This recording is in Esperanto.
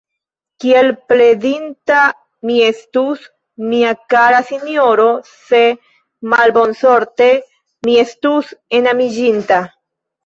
Kiel plendinda mi estus, mia kara sinjoro, se malbonsorte mi estus enamiĝinta!